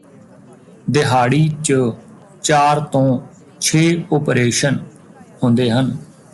ਦਿਹਾੜੀ ਚ ਚਾਰ ਤੋਂ ਛੇ ਉਪਰੇਸ਼ਨ ਹੁੰਦੇ ਹਨ